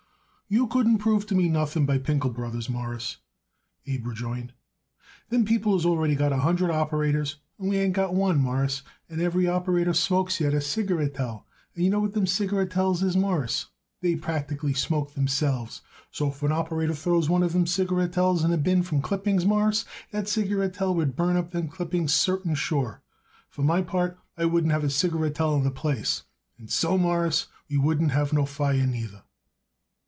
"You couldn't prove to me nothing by Pinkel Brothers, Mawruss," Abe rejoined. "Them people has already got a hundred operators and we ain't got one, Mawruss, and every operator smokes yet a cigarettel, and you know what them cigarettels is, Mawruss. They practically smokes themselves. So, if an operator throws one of them cigarettels in a bin from clippings, Mawruss, that cigarettel would burn up them clippings certain sure. For my part, I wouldn't have a cigarettel in the place; and so, Mawruss, we wouldn't have no fire, neither."